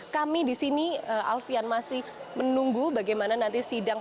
kami disini alfian masih menunggu bagaimana nanti sidangnya